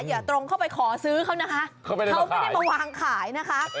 อย่าตรงเข้าไปขอซื้อเขานะคะเขาไม่ได้มาวางขายนะคะ